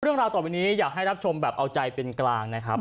เรื่องราวต่อไปนี้อยากให้รับชมแบบเอาใจเป็นกลางนะครับ